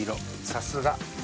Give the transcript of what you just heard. さすが。